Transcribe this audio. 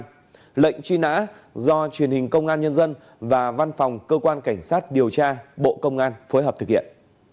các đối tượng truy nã do truyền hình công an nhân dân và văn phòng cơ quan cảnh sát điều tra bộ công an phối hợp thực hiện